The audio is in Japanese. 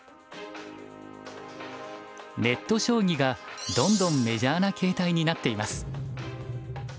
ネット将棋がどんどんメジャーな形態になっています。